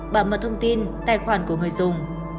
bảo mật thông tin tài khoản của người dùng